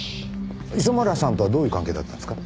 磯村さんとはどういう関係だったんですか？